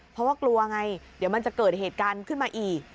เพราะว่ากลัวไงเดี๋ยวมันจะเกิดเหตุการณ์ขึ้นมาอีก